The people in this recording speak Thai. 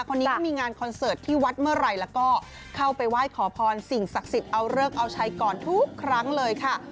คนนี้ก็มีงานคอนเสิร์ตที่วัดเมื่อไหร่แล้วก็เข้าไปไหว้ขอพรสิ่งศักดิ์สิทธิ์เอาเลิกเอาชัยก่อนทุกครั้งเลยค่ะ